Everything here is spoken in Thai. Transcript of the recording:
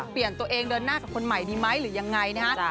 เปลี่ยนตัวเองเดินหน้ากับคนใหม่ดีไหมหรือยังไงนะฮะ